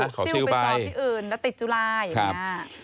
ซิลไปสอบที่อื่นแล้วติดจุฬาอย่างนี้